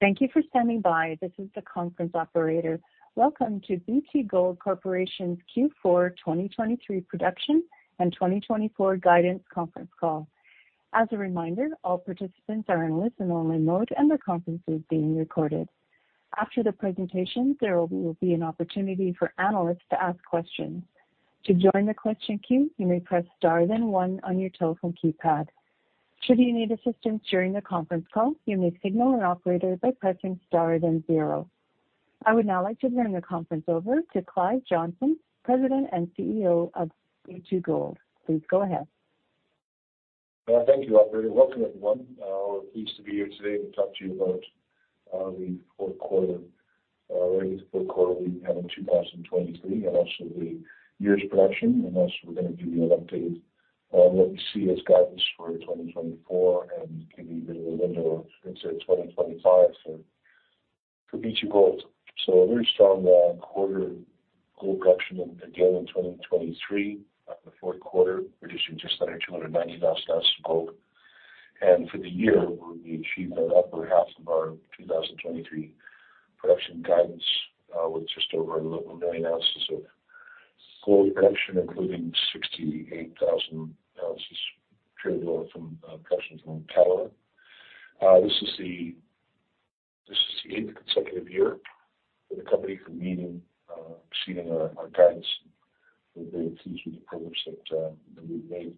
Thank you for standing by. This is the conference operator. Welcome to B2Gold Corporation's Q4 2023 Production and 2024 Guidance Conference Call. As a reminder, all participants are in listen-only mode, and the conference is being recorded. After the presentation, there will be an opportunity for analysts to ask questions. To join the question queue, you may press star then one on your telephone keypad. Should you need assistance during the conference call, you may signal an operator by pressing star then zero. I would now like to turn the conference over to Clive Johnson, President and CEO of B2Gold. Please go ahead. Well, thank you, operator. Welcome, everyone. We're pleased to be here today to talk to you about the fourth quarter we had in 2023, and also the year's production. We're going to give you an update on what we see as guidance for 2024 and give you a bit of a window into 2025 for B2Gold. So a very strong quarter gold production again in 2023. The fourth quarter, we produced just under 290,000 ounces of gold. And for the year, we achieved the upper half of our 2023 production guidance with just over 1 million ounces of gold production, including 68,000 ounces attributable from production from Fekola. This is the eighth consecutive year for the company for meeting, exceeding our guidance. We're very pleased with the progress that we've made.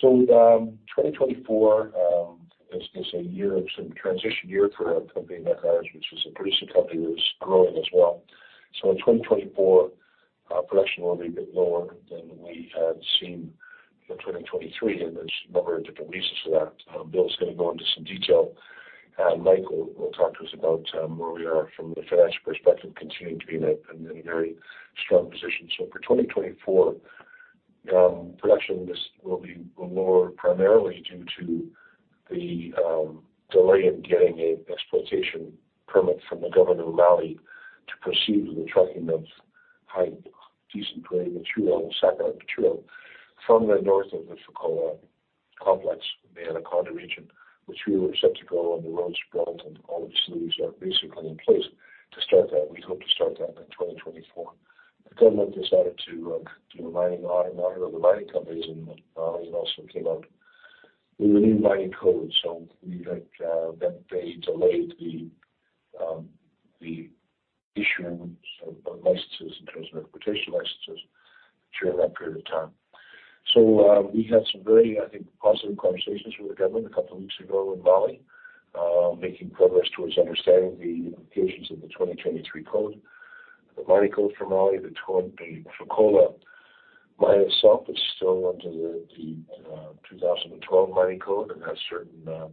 So, 2024 is a year, it's a transition year for our company at large, which is a producing company that is growing as well. So in 2024, production will be a bit lower than we had seen in 2023, and there's a number of different reasons for that. Bill's going to go into some detail, and Mike will talk to us about where we are from the financial perspective, continuing to be in a very strong position. So for 2024, production, this will be lower, primarily due to the delay in getting an Exploitation Permit from the Government of Mali to proceed with the trucking of high-grade material and saprolite material from the north of the Fekola complex in the Anaconda area, which we were set to go on the roads built, and all the facilities are basically in place to start that. We hope to start that in 2024. The government decided to do a mining audit, an audit of the mining companies, and it also came out with a new Mining Code. So we had that they delayed the issuance of licenses in terms of exploitation licenses during that period of time. So, we had some very, I think, positive conversations with the government a couple of weeks ago in Mali, making progress towards understanding the implications of the 2023 Mining Code for Mali. The Fekola Mine itself is still under the 2012 Mining Code and has certain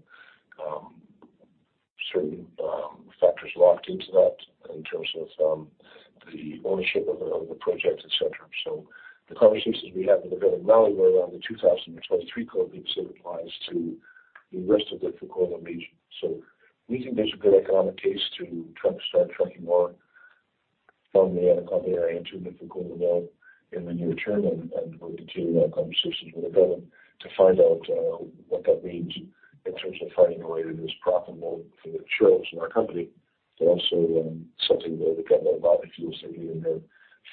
factors locked into that in terms of the ownership of the project, et cetera. So the conversations we have with the Government of Mali were around the 2023 Mining Code, which applies to the rest of the Fekola region. So we think there's a good economic case to truck, start trucking more from the Anaconda Area into the Fekola Mill in the near term, and we're continuing our conversations with the government to find out what that means in terms of finding a way that is profitable for the shareholders in our company, but also something that the government of Mali feels they're getting their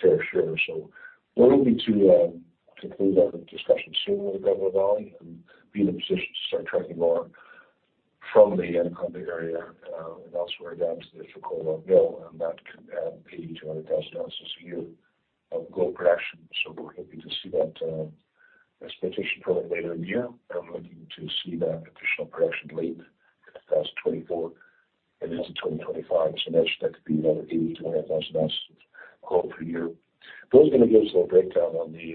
fair share. So we're hoping to conclude our discussions soon with the government of Mali and be in a position to start trucking ore from the Anaconda Area and elsewhere down to the Fekola Mill, and that could add 80,000 to 100,000 ounces a year of gold production. So we're hoping to see that Exploitation Permit later in the year and looking to see that additional production late in 2024 and into 2025. So that could be another 80,000 to 100,000 ounces of gold per year. Bill's going to give us a little breakdown on the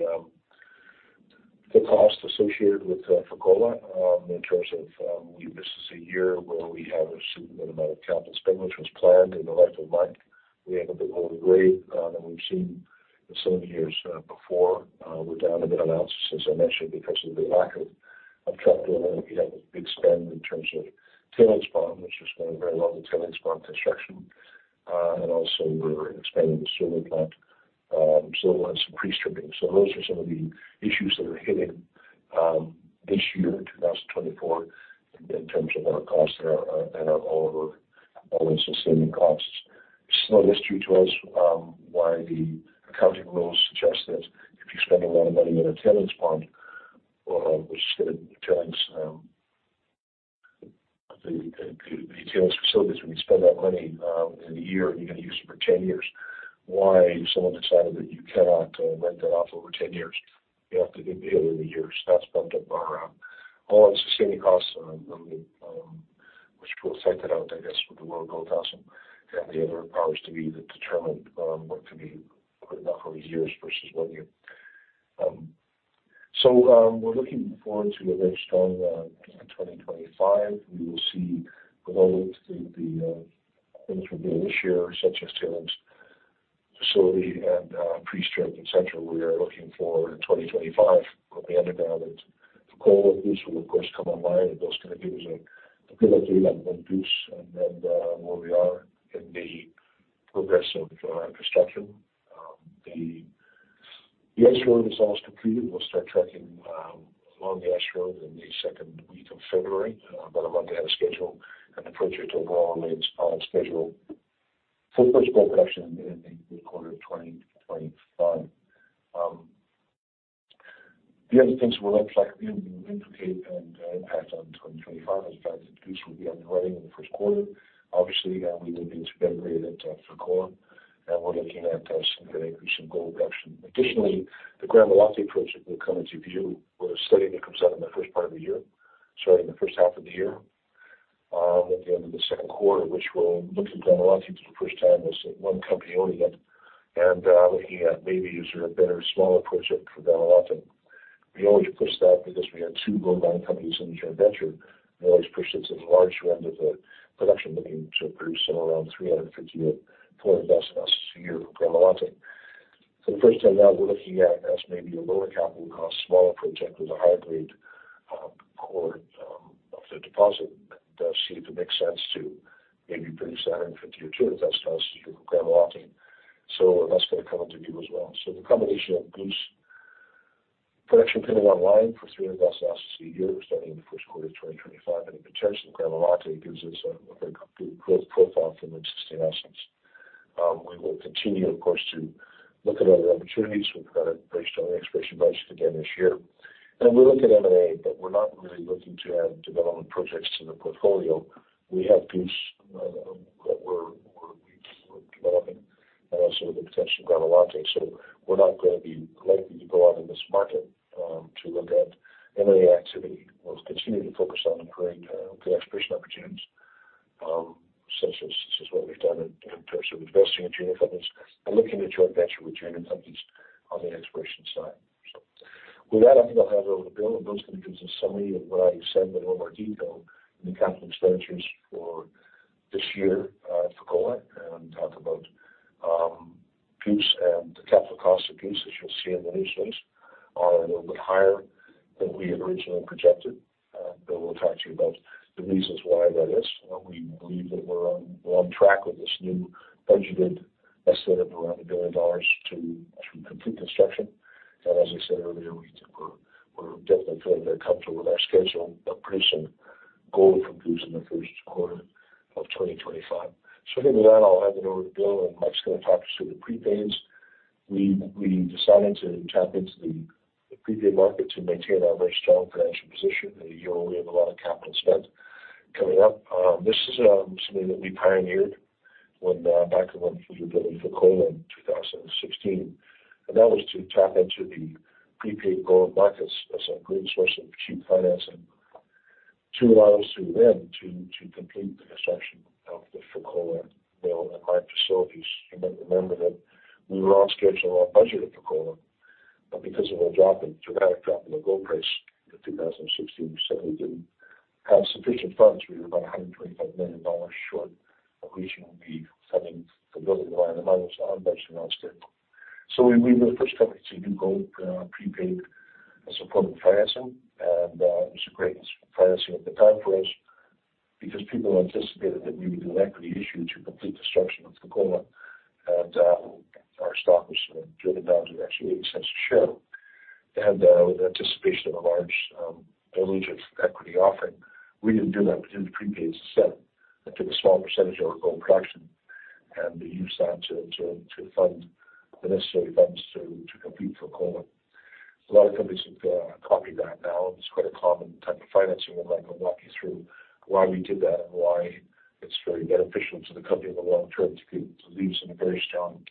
cost associated with Fekola in terms of this is a year where we have a significant amount of capital spend, which was planned. And the like of Mike, we had a bit more grade than we've seen in some years before. We're down a bit ounces, as I mentioned, because of the lack of truck loading. We had a big spend in terms of tailings pond. We're just going very well with tailings pond construction, and also we're expanding the solar plant, so and some pre-stripping. So those are some of the issues that are hitting this year, in 2024, in terms of our costs that are all over all the sustaining costs. It's no mystery to us why the accounting rules suggest that if you spend a lot of money on a tailings pond, which is going to tailings the tailings facilities, when you spend that money in a year, and you're going to use it for 10 years, why someone decided that you cannot write that off over 10 years? You have to do it over the years. That's bumped up our all our sustaining costs, which Bill pointed out with the World Gold Council and the other powers that be that determined what can be written off over years versus one year. So, we're looking forward to a very strong 2025. We will see the benefit of the things we're doing this year, such as the tailings facility and pre-strip, etc. We are looking at 2025, at the end of the year, Fekola, which will of course come online, and that's going to give us a good look at the production and then where we are in the progress of our construction. The ice road is almost completed. We'll start trucking along the ice road in the second week of February. About a month ahead of schedule, and the project overall remains on schedule for first gold production in the first quarter of 2025. The other things we're on track in indicate an impact on 2025 is the fact that Goose will be up and running in the first quarter. Obviously, we will be expanding at Fekola, and we're looking at some good increase in gold production. Additionally, the Gramalote project will come into view with a study that comes out in the first part of the year, starting in the first half of the year, at the end of the second quarter, which we'll look at Gramalote for the first time as one company owning it. Looking at maybe is there a better, smaller project for Gramalote. We always pushed that because we had two gold mining companies in the joint venture. We always pushed it to the large end of the production, looking to produce somewhere around 350,000 to 400,000 ounces a year for Gramalote. For the first time now, we're looking at as maybe a lower capital cost, smaller project with a high grade core of the deposit that does seem to make sense to maybe produce 150,000 or 200,000 ounces a year for Gramalote. So that's going to come into view as well. So the combination of Goose production coming online for 300,000 ounces a year, starting in the first quarter of 2025, and the potential of Gramalote gives us a good growth profile from existing assets. We will continue, of course, to look at other opportunities. We've got a very strong exploration budget again this year. We look at M&A, but we're not really looking to add development projects to the portfolio. We have Goose that we're developing and also the potential of Gramalote. So we're not going to be likely to go out in this market to look at M&A activity. We'll continue to focus on great exploration opportunities such as what we've done in terms of investing in junior companies and looking at joint venture with junior companies on the exploration side. So with that, I think I'll hand it over to Bill, and Bill's going to give us a summary of what I said, but in more detail, the capital expenditures for this year, Fekola, and talk about Goose and the capital costs of Goose, as you'll see in the news release, are a little bit higher than we had originally projected. Bill will talk to you about the reasons why that is. We believe that we're on track with this new budgeted estimate of around $1 billion to complete construction. As I said earlier, we're definitely feeling very comfortable with our schedule of producing gold from Goose in the first quarter of 2025. So with that, I'll hand it over to Bill, and Mike's going to talk us through the prepaids. We decided to tap into the prepaid market to maintain our very strong financial position. In a year, we have a lot of capital spend coming up. This is something that we pioneered when I came on for the building Fekola in 2016, and that was to tap into the prepaid gold markets as a great source of cheap financing to allow us to then complete the construction of the Fekola mill and mine facilities. You might remember that we were on schedule and on budget at Fekola, but because of a drop in, dramatic drop in the gold price in 2016, we suddenly didn't have sufficient funds. We were about $125 million short of reaching the funding, the building of the mine, and that was our budget and our schedule. So, we were the first company to do gold prepaid as a form of financing, and it was a great financing at the time for us because people anticipated that we would do an equity issue to complete construction of Fekola. Our stock was driven down to actually $0.80 a share. With the anticipation of a large dilutive equity offering, we didn't do that. We did the prepaid instead and took a small percentage of our gold production and used that to fund the necessary funds to complete Fekola. A lot of companies have copied that now. It's quite a common type of financing, and I'm going to walk you through why we did that and why it's very beneficial to the company in the long term to leave us in a very strong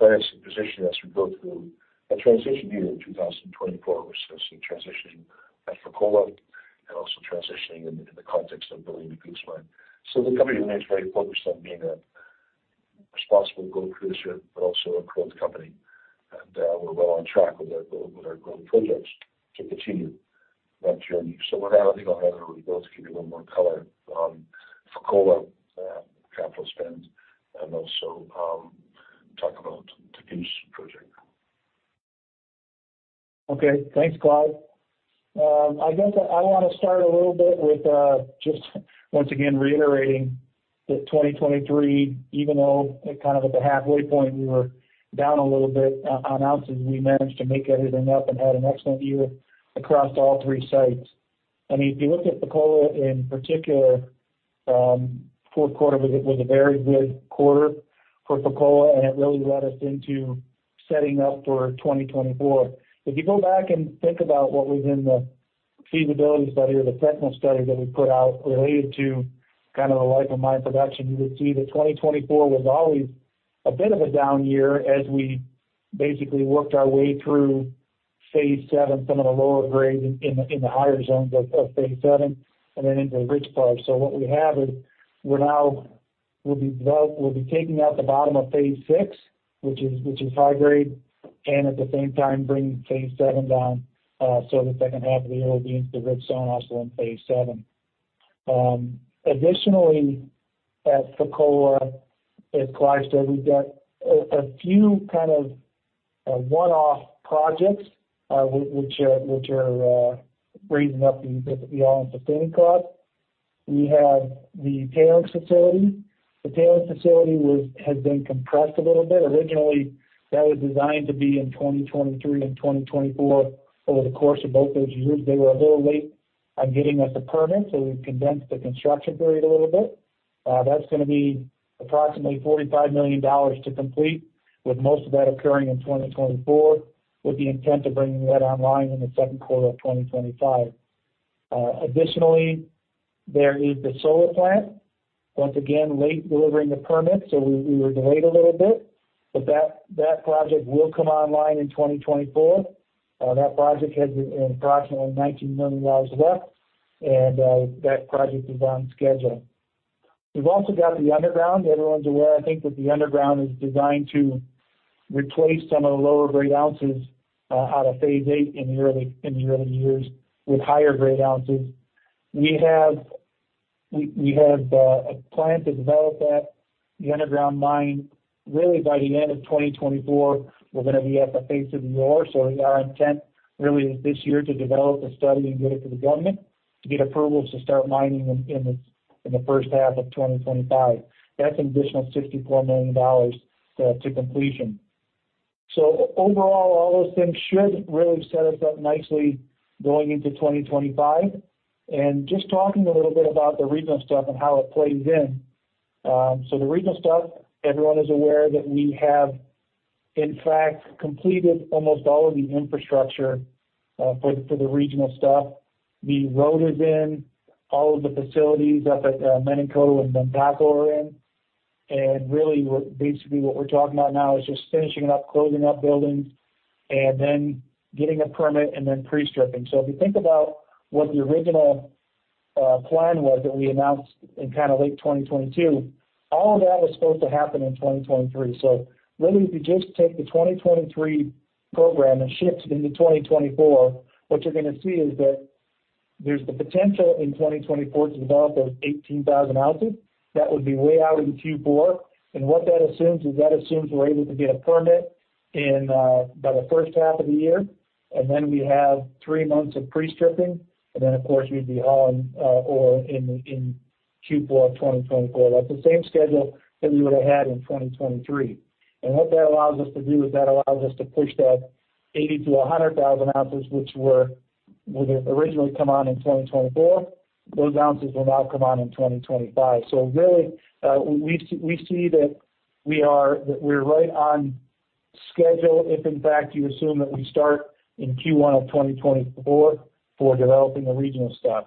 financing position as we go through a transition year in 2024. We're still transitioning at Fekola and also transitioning in the context of building the Goose mine. So the company remains very focused on being a responsible gold producer, but also a growth company. And we're well on track with our gold projects to continue that journey. So with that, I think I'll hand it over to Bill to give you a little more color on Fekola capital spend, and also talk about the Goose project. Okay, thanks, Clive. I want to start a little bit with just once again reiterating that 2023, even though it kind of at the halfway point, we were down a little bit on ounces, we managed to make everything up and had an excellent year across all three sites. I mean, if you look at Fekola in particular, fourth quarter was a very good quarter for Fekola, and it really led us into setting up for 2024. If you go back and think about what was in the feasibility study or the technical study that we put out related to kind of the life of mine production, you would see that 2024 was always a bit of a down year as we basically worked our way through phase VII, some of the lower grade in the higher zones of phase VII, and then into the rich part. So what we have is, we'll be taking out the bottom of phase VI, which is high grade, and at the same time, bringing phase VII down, so the second half of the year will be into the rich zone also in Phase VII. Additionally, at Fekola, as Clive said, we've got a few kind of one-off projects which are raising up the all-in sustaining cost. We have the tailings facility. The tailings facility has been compressed a little bit. Originally, that was designed to be in 2023 and 2024. Over the course of both those years, they were a little late on getting us a permit, so we condensed the construction period a little bit. That's going to be approximately $45 million to complete, with most of that occurring in 2024, with the intent of bringing that online in the second quarter of 2025. Additionally, there is the solar plant. Once again, late delivering the permit, so we were delayed a little bit, but that project will come online in 2024. That project has approximately $19 million left, and that project is on schedule. We've also got the underground. Everyone's aware, I think, that the underground is designed to replace some of the lower grade ounces out of phase VIII in the early years with higher grade ounces. We have a plan to develop that, the underground mine, really by the end of 2024, we're going to be at the face of the ore. So our intent really is this year to develop a study and get it to the government to get approvals to start mining in the first half of 2025. That's an additional $64 million to completion. So overall, all those things should really set us up nicely going into 2025. And just talking a little bit about the regional stuff and how it plays in. So the regional stuff, everyone is aware that we have, in fact, completed almost all of the infrastructure for the regional stuff. The road is in, all of the facilities up at Menankoto and Bantako North are in, and really, what basically we're talking about now is just finishing up, closing up buildings and then getting a permit and then pre-stripping. So if you think about what the original plan was that we announced in kind of late 2022, all of that was supposed to happen in 2023. So really, if you just take the 2023 program and shift it into 2024, what you're going to see is that there's the potential in 2024 to develop those 18,000 ounces. That would be way out in Q4. What that assumes is we're able to get a permit in by the first half of the year, and then we have three months of pre-stripping, and then, of course, we'd be hauling ore in Q4 of 2024. That's the same schedule that we would've had in 2023. What that allows us to do is push that 80,000 to 100,000 ounces, which would've originally come on in 2024, those ounces will now come on in 2025. So really, we see that we're right on schedule, if in fact, you assume that we start in Q1 of 2024 for developing the regional stuff.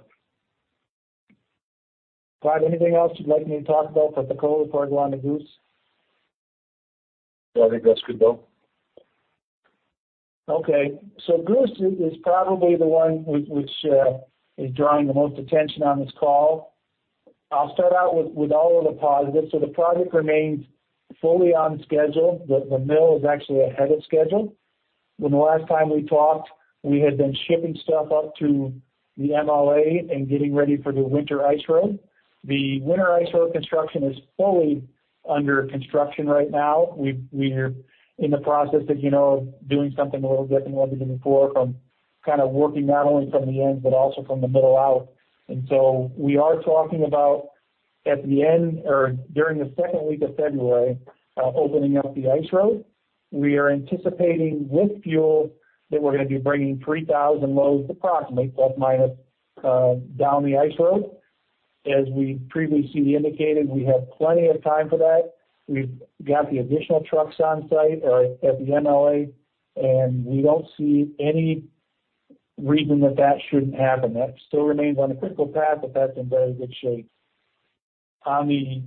Clive, anything else you'd like me to talk about for the call before I go on to Goose? No, I think that's good, Bill. Okay, so Goose is probably the one which is drawing the most attention on this call. I'll start out with all of the positives. So the project remains fully on schedule. The mill is actually ahead of schedule. When the last time we talked, we had been shipping stuff up to the MLA and getting ready for the winter ice road. The winter ice road construction is fully under construction right now. We're in the process of, you know, doing something a little different than we did before, from kind of working not only from the end, but also from the middle out. And so we are talking about, at the end or during the second week of February, opening up the ice road. We are anticipating, with fuel, that we're going to be bringing 3,000 loads, approximately, plus, minus, down the ice road. As we previously indicated, we have plenty of time for that. We've got the additional trucks on site or at the MLA, and we don't see any reason that that shouldn't happen. That still remains on the critical path, but that's in very good shape. On the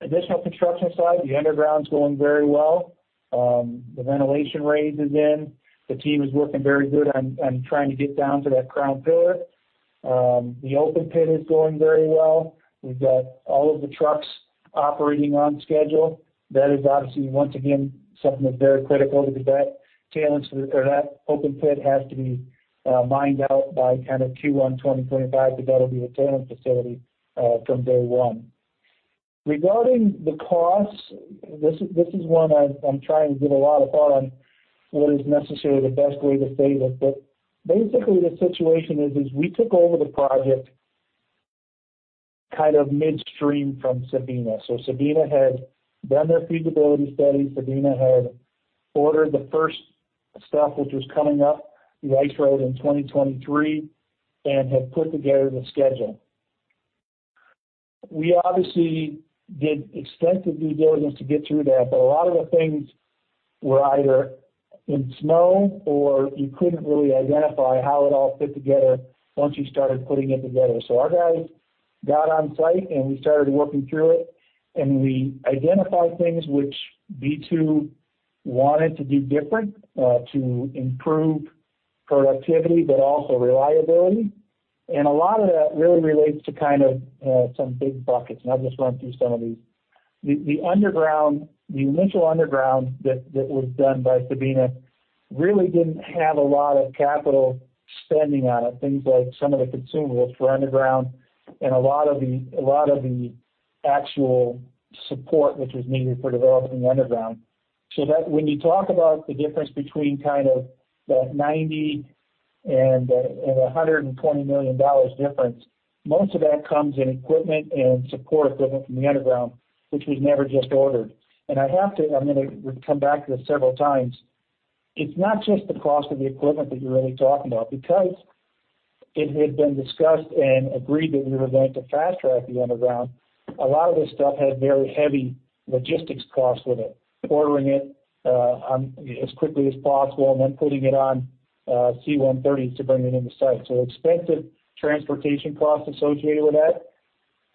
additional construction side, the underground's going very well. The ventilation raise is in. The team is working very good on trying to get down to that crown pillar. The open pit is going very well. We've got all of the trucks operating on schedule. That is obviously, once again, something that's very critical, because that tailings, or that open pit, has to be mined out by kind of Q1 2025, because that'll be a tailings facility from day one. Regarding the costs, this is one I'm trying to give a lot of thought on what is necessarily the best way to say this, but basically, the situation is we took over the project kind of midstream from Sabina. So Sabina had done their feasibility study. Sabina had ordered the first stuff, which was coming up the ice road in 2023, and had put together the schedule. We obviously did extensive due diligence to get through that, but a lot of the things were either in snow, or you couldn't really identify how it all fit together once you started putting it together. So our guys got on site, and we started working through it, and we identified things which B2 wanted to do different to improve productivity, but also reliability. And a lot of that really relates to kind of some big buckets, and I'll just run through some of these. The underground, the initial underground that was done by Sabina really didn't have a lot of capital spending on it. Things like some of the consumables for underground and a lot of the actual support, which was needed for developing the underground. So that when you talk about the difference between kind of that $90 million and $120 million difference, most of that comes in equipment and support different from the underground, which was never just ordered. And I have to, I'm going to come back to this several times. It's not just the cost of the equipment that you're really talking about, because it had been discussed and agreed that we were going to fast track the underground. A lot of this stuff had very heavy logistics costs with it, ordering it on as quickly as possible, and then putting it on C-130s to bring it into site. So expensive transportation costs associated with that.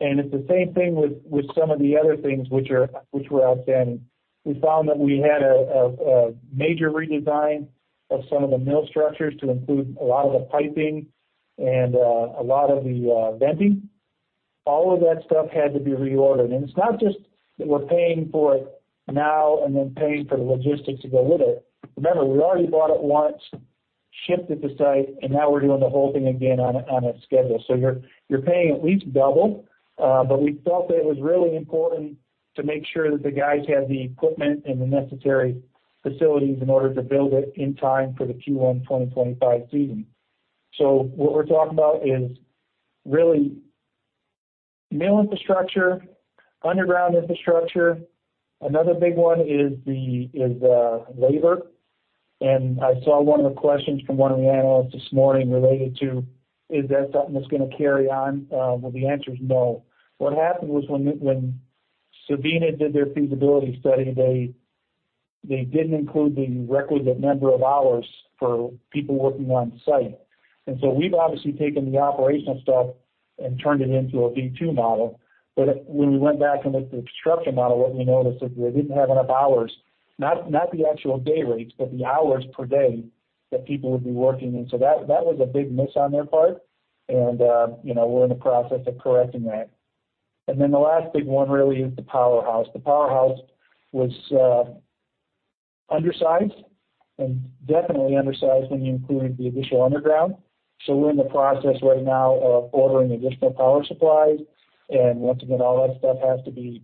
And it's the same thing with some of the other things which were outstanding. We found that we had a major redesign of some of the mill structures to include a lot of the piping and a lot of the venting. All of that stuff had to be reordered. And it's not just that we're paying for it now and then paying for the logistics that go with it. Remember, we already bought it once, shipped it to site, and now we're doing the whole thing again on a schedule. So you're paying at least double, but we felt that it was really important to make sure that the guys had the equipment and the necessary facilities in order to build it in time for the Q1 2025 season. So what we're talking about is really mill infrastructure, underground infrastructure. Another big one is the labor. And I saw one of the questions from one of the analysts this morning related to, is that something that's going to carry on? Well, the answer is no. What happened was when Sabina did their feasibility study, they didn't include the requisite number of hours for people working on site. And so we've obviously taken the operational stuff and turned it into a B2 model. But when we went back and looked at the construction model, what we noticed is they didn't have enough hours, not, not the actual day rates, but the hours per day that people would be working. And so that, that was a big miss on their part, and, you know, we're in the process of correcting that. And then the last big one really is the powerhouse. The powerhouse was undersized, and definitely undersized when you include the additional underground. So we're in the process right now of ordering additional power supplies, and once again, all that stuff has to be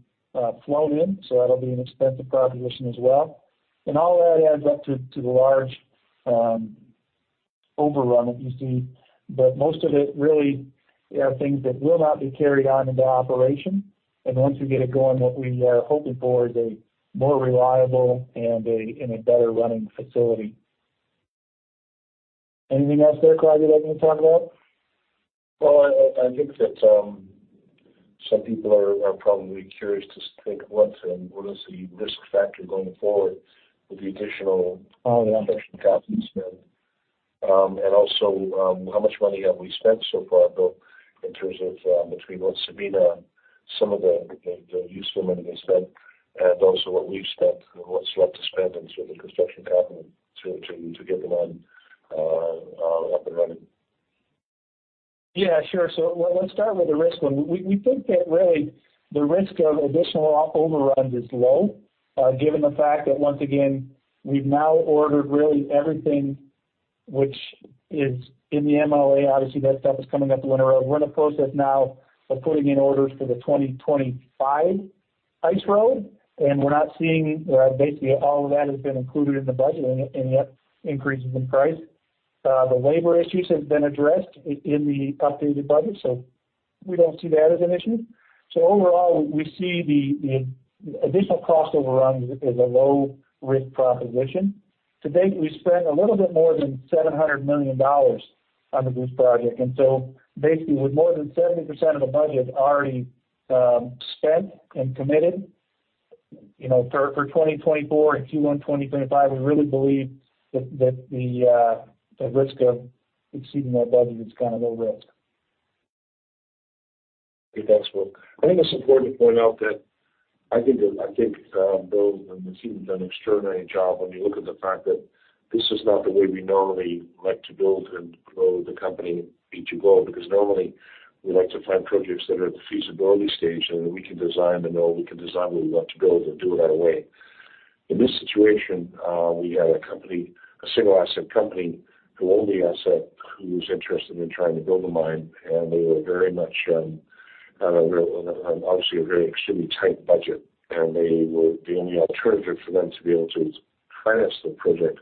flown in, so that'll be an expensive proposition as well. And all of that adds up to the large overrun that you see. But most of it really are things that will not be carried on into operation. And once we get it going, what we are hoping for is a more reliable and a better running facility. Anything else there, Clive, you'd like me to talk about? Well, I think that some people are probably curious to think what is the risk factor going forward with the additional capital spend. Oh, yeah. Also, how much money have we spent so far, Bill, in terms of between what Sabina some of the use for money they spent, and also what we've spent and what's left to spend in sort of the construction capital to get the mine up and running? Yeah, sure. So let's start with the risk one. We think that really the risk of additional overruns is low, given the fact that once again, we've now ordered really everything which is in the MLA. Obviously, that stuff is coming up the winter road. We're in the process now of putting in orders for the 2025 ice road, and we're not seeing, basically all of that has been included in the budget and increases in price. The labor issues have been addressed in the updated budget, so we don't see that as an issue. So overall, we see the additional cost overruns as a low-risk proposition. To date, we've spent a little bit more than $700 million on this project. So basically, with more than 70% of the budget already spent and committed, you know, for 2024 and Q1 2025, we really believe that the risk of exceeding that budget is kind of low risk. Okay, thanks, Bill. I think it's important to point out that I think that, I think, Bill and the team have done an extraordinary job when you look at the fact that this is not the way we normally like to build and grow the company B2Gold, because normally, we like to find projects that are at the feasibility stage, and we can design and know we can design what we want to build and do it our way. In this situation, we had a company, a single asset company, who owned the asset, who was interested in trying to build a mine, and they were very much, on obviously a very extremely tight budget. They were the only alternative for them to be able to finance the project,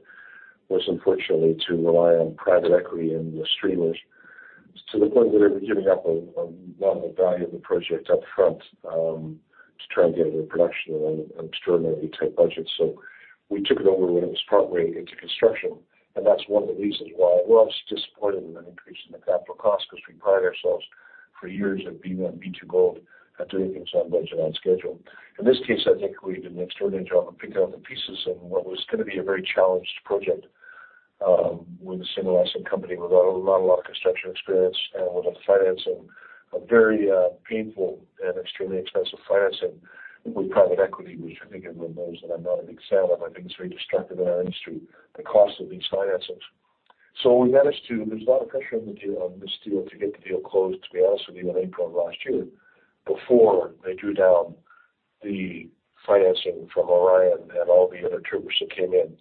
which was unfortunately to rely on private equity and the streamers, to the point where they were giving up a lot of the value of the project up front, to try and get into production on an extremely tight budget. So we took it over when it was partway into construction, and that's one of the reasons why we're also disappointed in an increase in the capital cost, because we pride ourselves for years at B2Gold at doing things on budget, on schedule. In this case, I think we did an extraordinary job of picking up the pieces in what was gonna be a very challenged project, with a single asset company without a lot of construction experience and with a financing, a very, painful and extremely expensive financing with private equity, which I think everyone knows that I'm not a big fan of. I think it's very destructive in our industry, the cost of these financings. So we managed to, there was a lot of pressure on the deal, on this deal to get the deal closed, to be honest with you, in April of last year, before they drew down the financing from Orion and all the other troopers that came in.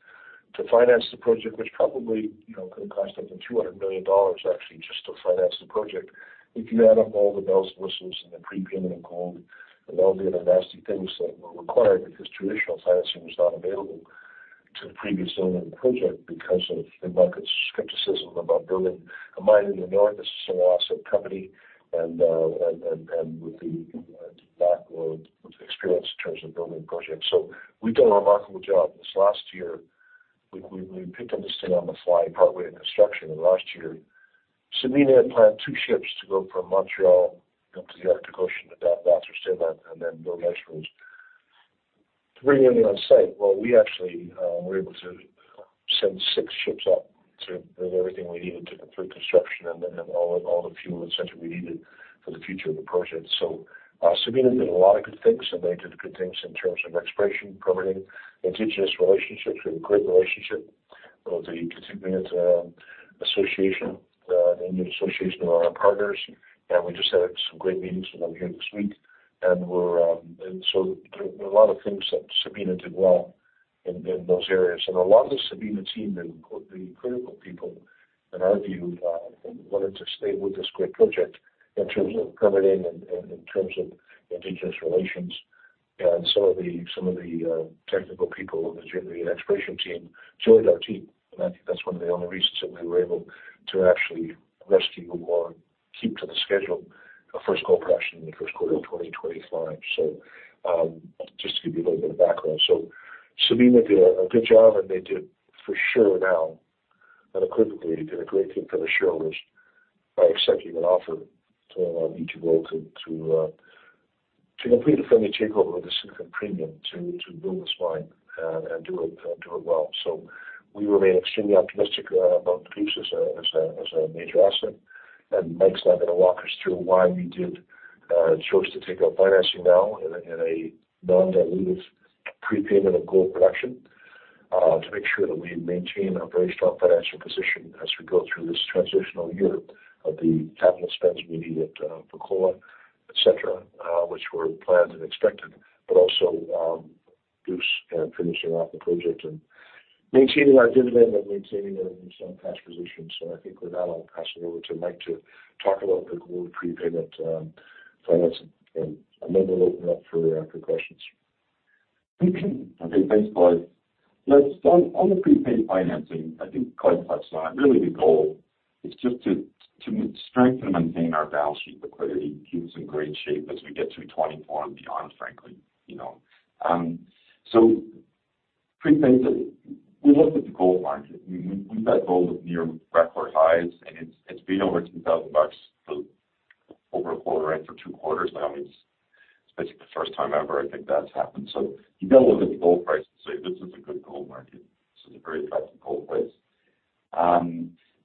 To finance the project, which probably, you know, could cost up to $200 million actually, just to finance the project. If you add up all the bells and whistles and the prepayment of gold and all the other nasty things that were required, because traditional financing was not available to the previous owner of the project, because of the market skepticism about building a mine in the north. This is an awesome company and with the backlog of experience in terms of building projects. So we've done a remarkable job this last year. We picked up this thing on the fly, partway in construction in the last year. Sabina had planned two ships to go from Montreal up to the Arctic Ocean, to drop off their standby, and then go to the rest of them. To bring everything on site, well, we actually were able to send six ships up to bring everything we needed to complete construction and then all the fuel, essentially, we needed for the future of the project. So, Sabina did a lot of good things, and they did good things in terms of exploration, permitting, Indigenous relationships. We have a great relationship with the Kitikmeot Inuit Association, the Inuit Association of our partners, and we just had some great meetings with them here this week. And so there are a lot of things that Sabina did well in, in those areas. And a lot of the Sabina team, the critical people, in our view, wanted to stay with this great project in terms of permitting and in terms of Indigenous relations. And some of the technical people, particularly the exploration team, joined our team, and I think that's one of the only reasons that we were able to actually rescue or keep to the schedule of first gold production in the first quarter of 2025. So, just to give you a little bit of background. So Sabina did a good job, and they did for sure now, unequivocally, did a great thing for the shareholders by accepting an offer from me to go to complete a friendly takeover with a significant premium, to build this mine, and do it, and do it well. So we remain extremely optimistic, about Goose as a major asset. Mike's now going to walk us through why we chose to take out financing now in a non-dilutive prepayment of gold production to make sure that we maintain a very strong financial position as we go through this transitional year of the capital spends we need at Fekola, et cetera, which were planned and expected, but also Goose, finishing off the project and maintaining our dividend and maintaining a strong cash position. So I think with that, I'll pass it over to Mike to talk about the gold prepayment finance, and then we'll open up for questions. Okay, thanks, Clive. Let's on the prepaid financing. I think Clive touched on it, really, the goal is just to strengthen and maintain our balance sheet liquidity, keep us in great shape as we get through 2024 and beyond, frankly, you know. So prepayments, we looked at the gold market. We've got gold at near record highs, and it's been over $2,000 for over a quarter, right, for two quarters now. It's the first time ever I think that's happened. So you've got to look at the gold prices, say, this is a good gold market. This is a very attractive gold place.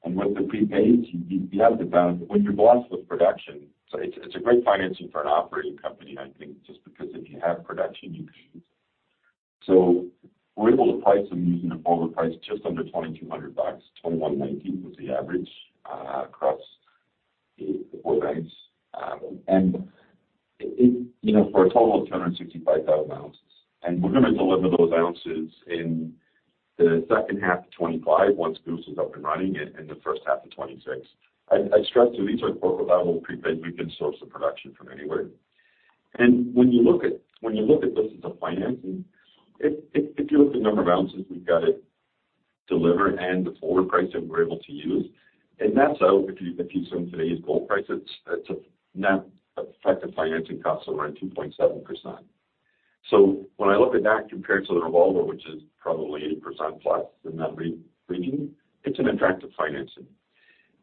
And with the prepayments, you have the balance when you're blessed with production. So it's a great financing for an operating company, I think, just because if you have production, you can. So we're able to price them using the gold price just under $2,200. $2,190 was the average across the four banks. And it, you know, for a total of 265,000 ounces, and we're going to deliver those ounces in the second half of 2025, once Goose is up and running, and the first half of 2026. I stress, too, these are portfolio prepayments. We can source the production from anywhere. And when you look at this as a financing, if you look at the number of ounces we've got to deliver and the forward price that we're able to use, and that's out, if you use today's gold price, it's a net effective financing cost of around 2.7%. So when I look at that compared to the revolver, which is probably 8%+, and not re-pricing, it's an attractive financing.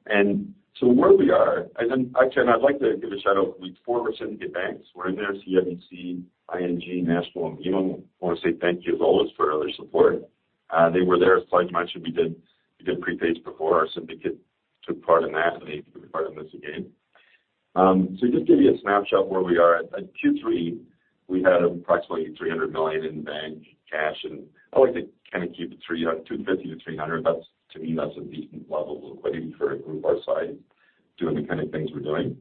And so where we are, and then actually, I'd like to give a shout-out to the four syndicate banks. We're in there, CIBC, ING, National Bank and BMO. I want to say thank you as always, for all their support. They were there as much as we did, we did prepayments before. Our syndicate took part in that, and they took part in this again. So just give you a snapshot of where we are. At Q3, we had approximately $300 million in bank cash, and I like to kind of keep it two 50 to 300. That's, to me, that's a decent level of liquidity for our side, doing the kind of things we're doing.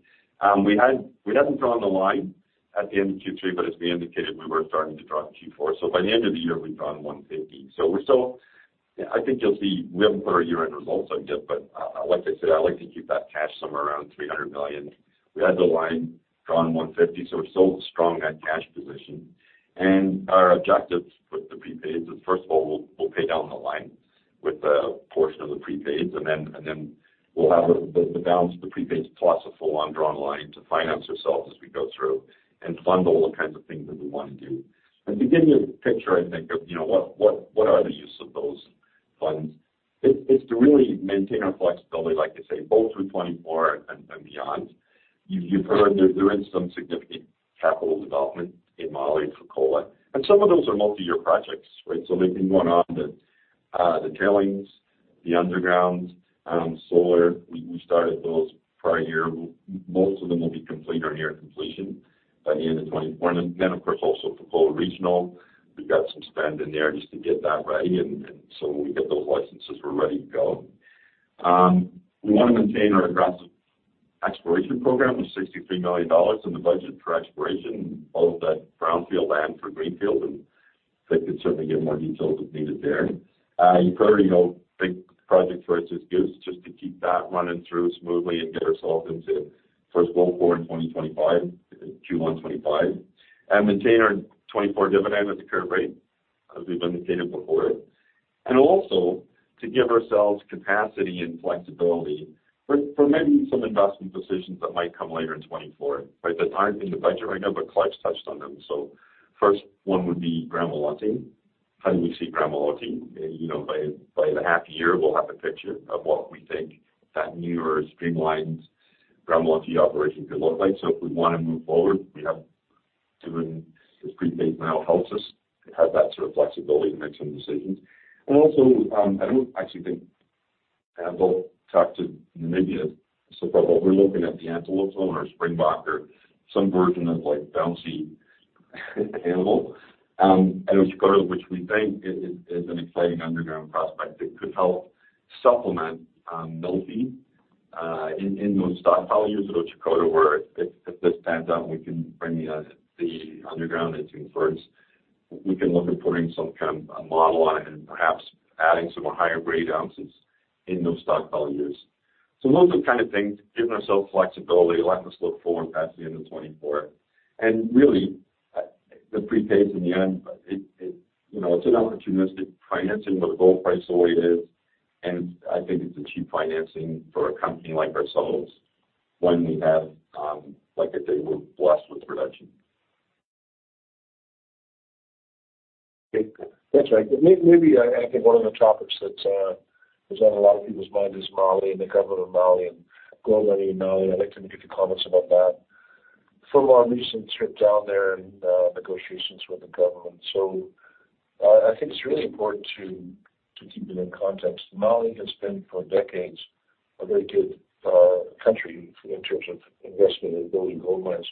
We hadn't drawn the line at the end of Q3, but as we indicated, we were starting to draw in Q4. So by the end of the year, we've drawn $150 million. So we're still, I think you'll see, we haven't put our year-end results out yet, but, like I said, I like to keep that cash somewhere around $300 million. We had the line drawn $150 million, so we're still strong at cash position. And our objectives with the prepayments is, first of all, we'll, we'll pay down the line with a portion of the prepayments, and then, and then we'll have the, the balance of the prepayments plus a full undrawn line to finance ourselves as we go through and fund all the kinds of things that we want to do. And to give you a picture, I think of, you know, what are the use of those funds? It's to really maintain our flexibility, like I say, both through 2024 and beyond. You've heard there is some significant capital development in Mali for Fekola, and some of those are multiyear projects, right? So they've been going on the tailings, the underground, solar. We started those prior year. Most of them will be complete or near completion by the end of 2024. And then, of course, also for Fekola Regional, we've got some spend in there just to get that ready. And so when we get those licenses, we're ready to go. We want to maintain our aggressive exploration program with $63 million in the budget for exploration, all of that brownfield and for greenfield, and they could certainly give more details as needed there. You probably know, big project for us is Goose, just to keep that running through smoothly and get ourselves into first gold quarter in 2025, Q1 2025, and maintain our 2024 dividend at the current rate, as we've indicated before. And also to give ourselves capacity and flexibility for maybe some investment decisions that might come later in 2024. Right? They're not in the budget right now, but Clive's touched on them. So first one would be Gramalote. How do we see Gramalote? You know, by the half year, we'll have a picture of what we think that newer, streamlined Gramalote operation could look like. So if we want to move forward, we have to, and this prepaid now helps us to have that sort of flexibility to make some decisions. And also, I don't actually think, and I'll talk to maybe a little bit, but we're looking at the Antelope Zone or Springbok or some version of, like, bouncy animal. And which we think is an exciting underground prospect that could help supplement, mill feed in those stockpile years at Otjikoto, where if, if this pans out, we can bring the, the underground into inference. We can look at putting some kind of a model on it and perhaps adding some more higher-grade ounces in those stockpile years. So those are the kind of things, giving ourselves flexibility, letting us look forward past the end of 2024. And really, the prepays in the end, you know, it's an opportunistic financing, but the gold price the way it is, and I think it's a cheap financing for a company like ourselves when we have, like I say, we're blessed with production. That's right. But maybe, I think one of the topics that is on a lot of people's mind is Mali and the government of Mali and gold mining in Mali. I'd like to get your comments about that. From our recent trip down there and negotiations with the government. So, I think it's really important to keep it in context. Mali has been, for decades, a very good country in terms of investment and building gold mines,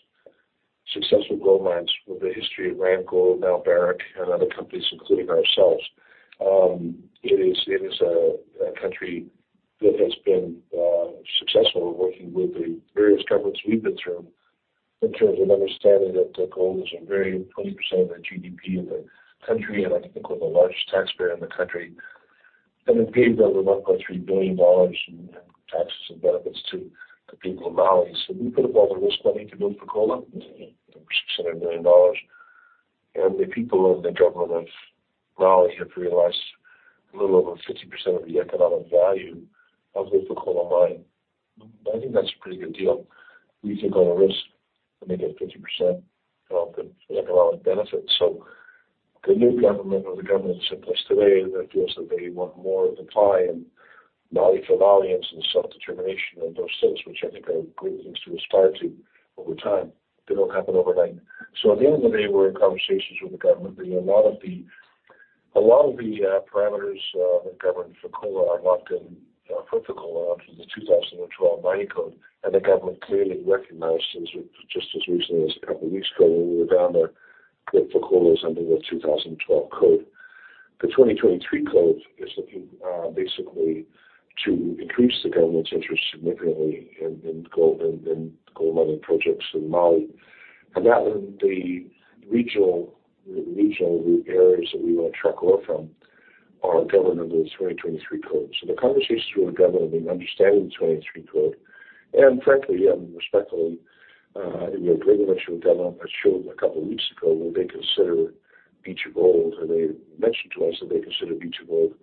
successful gold mines, with a history of Randgold, now Barrick, and other companies, including ourselves. It is a country that has been successful working with the various governments we've been through, in terms of understanding that the gold is a very 20% of the GDP of the country, and I think we're the largest taxpayer in the country. And then paid the government about $3 billion in taxes and benefits to the people of Mali. So we put up all the risk money to build Fekola, $600 million, and the people in the government of Mali have realized a little over 50% of the economic value of the Fekola mine. I think that's a pretty good deal. We take all the risk, and they get 50% of the economic benefits. So the new government, or the government that's in place today, that feels that they want more of the pie, and Mali for Malians, and self-determination, and those things, which I think are great things to aspire to over time. They don't happen overnight. So at the end of the day, we're in conversations with the government, and a lot of the, a lot of the, parameters that govern Fekola are locked in, for Fekola under the 2012 Mining Code. And the government clearly recognizes, just as recently as a couple weeks ago, when we were down there, that Fekola is under the 2012 code. The 2023 code is looking, basically to increase the government's interest significantly in gold and, and gold mining projects in Mali. And that would be regional, the regional areas that we want to truck ore from are governed under the 2023 code. So the conversations with the government and understanding the 2023 code, and frankly and respectfully, we had pretty much with the government, has showed a couple of weeks ago, where they consider B2Gold, and they mentioned to us that they consider B2Gold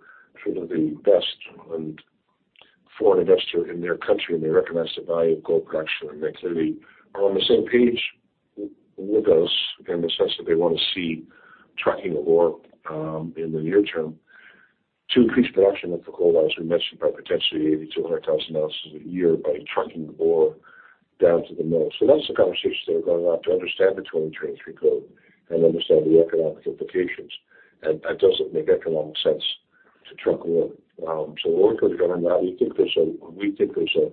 sort of the best and foreign investor in their country, and they recognize the value of gold production. And they clearly are on the same page with us, in the sense that they want to see trucking ore, in the near term to increase production with Fekola, as we mentioned, by potentially 80,000 to 100,000 ounces a year by trucking ore down to the mill. So that's the conversations that are going on to understand the 2023 code and understand the economic implications. And that doesn't make economic sense to truck ore. So we're working with the government of Mali. We think there's a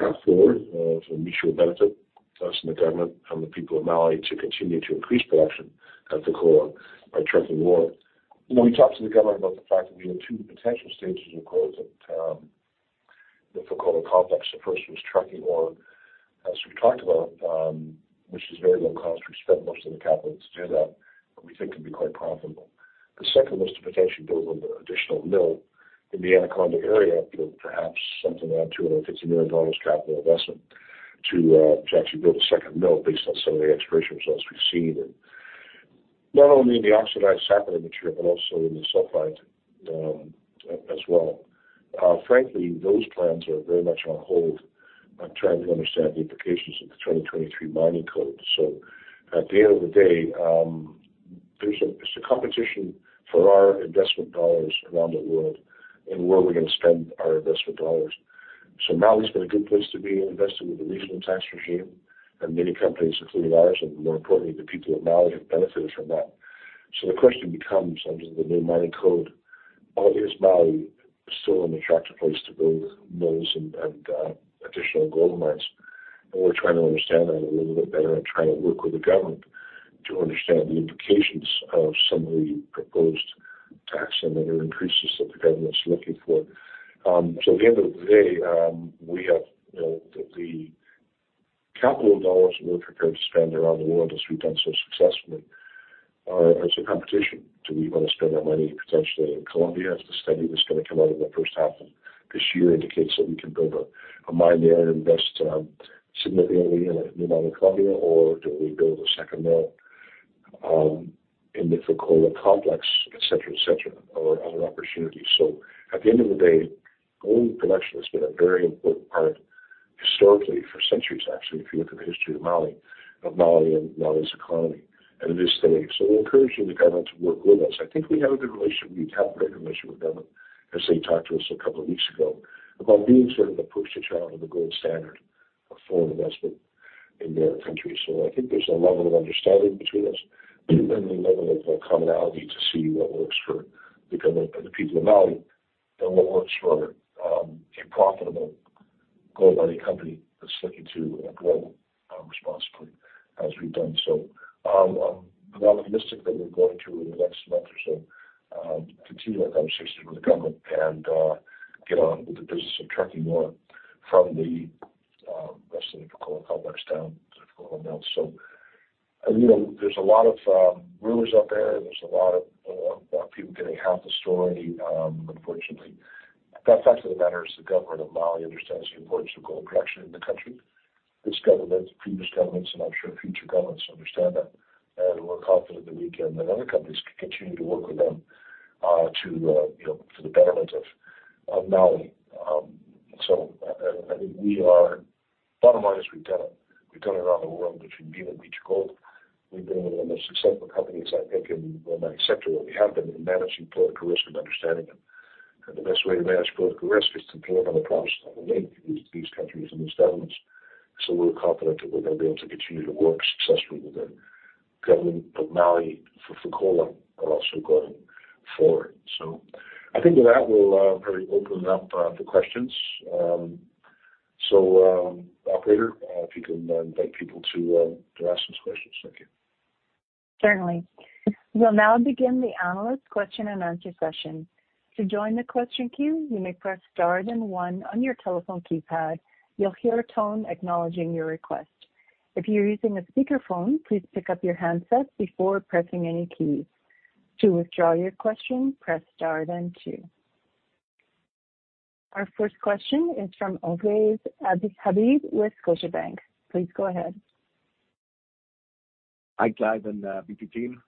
path forward for mutual benefit to us and the government and the people of Mali to continue to increase production at Fekola by trucking ore. When we talked to the government about the fact that we have two potential stages of growth at the Fekola complex, the first was trucking ore, as we've talked about, which is very low cost. We've spent most of the capital to do that, and we think can be quite profitable. The second was to potentially build an additional mill in the Anaconda Area, with perhaps something around $250 million capital investment to actually build a second mill based on some of the exploration results we've seen. Not only in the oxidized saprolite material, but also in the sulfide as well. Frankly, those plans are very much on hold on trying to understand the implications of the 2023 Mining Code. So at the end of the day, it's a competition for our investment dollars around the world and where we're going to spend our investment dollars. So Mali's been a good place to be invested with the regional tax regime, and many companies, including ours, and more importantly, the people of Mali have benefited from that. So the question becomes, under the new Mining Code, is Mali still an attractive place to build mills and, and additional gold mines? And we're trying to understand that a little bit better and trying to work with the government to understand the implications of some of the proposed tax and other increases that the government's looking for. So at the end of the day, we have, you know, the capital dollars we're prepared to spend around the world as we've done so successfully, as a company. Do we want to spend our money potentially in Colombia, as the study that's goin to come out in the first half of this year indicates that we can build a mine there and invest significantly in and around Colombia? Or do we build a second mill in the Fekola complex, et cetera, et cetera, or other opportunities? So at the end of the day, gold production has been a very important part, historically, for centuries, actually, if you look at the history of Mali, of Mali and Mali's economy and it is today. So we're encouraging the government to work with us. I think we have a good relationship. We have a great relationship with the government, as they talked to us a couple of weeks ago, about being sort of the poster child of the gold standard of foreign investment in their country. So I think there's a level of understanding between us, and a level of commonality to see what works for the government and the people of Mali, and what works for, a profitable gold mining company that's looking to grow, responsibly as we've done. So, I'm optimistic that we're going to, in the next month or so, continue our conversations with the government and, get on with the business of trucking more from the rest of the Fekola complex down to Fekola mill. So, you know, there's a lot of rumors out there and there's a lot of, people getting half the story, unfortunately. The fact of the matter is, the government of Mali understands the importance of gold production in the country. This government, previous governments, and I'm sure future governments understand that. And we're confident that we and the other companies can continue to work with them to, you know, for the betterment of Mali. So I think we are, bottom line is we've done it, we've done it around the world between B2Gold. We've been one of the most successful companies, I think, in the mining sector, where we have been in managing political risk and understanding it. And the best way to manage political risk is to build on the promise that we make with these countries and these governments. So we're confident that we're going to be able to continue to work successfully with the government of Mali for Fekola, but also going forward. So I think with that, we'll probably open it up for questions. So, operator, if you can invite people to ask us questions. Thank you. Certainly. We'll now begin the analyst question and answer session. To join the question queue, you may press star then one on your telephone keypad. You'll hear a tone acknowledging your request. If you're using a speakerphone, please pick up your handset before pressing any keys. To withdraw your question, press star then two. Our first question is from Ovais Habib with Scotiabank. Please go ahead. Hi, Clive and B2 team.